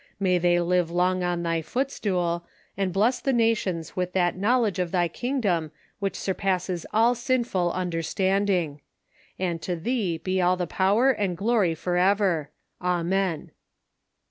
May they live long on Thy footstool, and bless the nations with that knowledge of Thy kingdom which surpasses all sinful understanding. And to Thee be all the power and the glory forever. Amen."